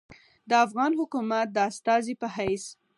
د افغان حکومت د استازي پۀ حېث